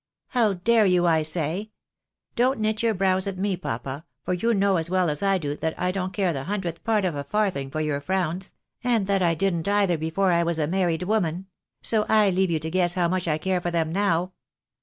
" How dare you, I say? Don't knit your brows at me, papa, for you know as well as I do, that I don't care the hundredth part of a farthing for your frowns — and that I didn't either before I was a married woman ; so I leave you to guess how much I care for them now.